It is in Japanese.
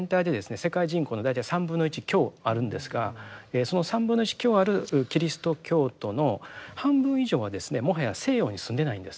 世界人口の大体３分の１強あるんですがその３分の１強あるキリスト教徒の半分以上はですねもはや西洋に住んでないんです。